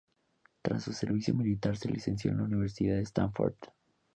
Tras su servicio militar se licenció en la Universidad de Stanford.